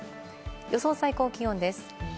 予想最高気温です。